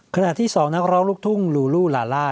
ขณะที่๒นักร้องลูกทุ่งลูลูลาล่า